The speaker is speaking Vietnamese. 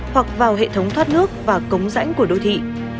hoặc vào hệ thống thoát nước và cống rãnh của đô thị